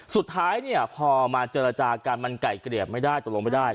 สุดท้ายเนี่ยพอมาเจรจากันมันไก่เกลี่ยไม่ได้ตกลงไม่ได้